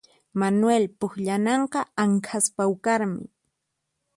Manuel pukllananqa anqhas pawqarmi